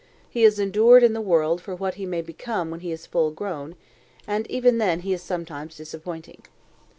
He is endured in the world for what he may become when he is full grown, and even then he is sometimes disappointing.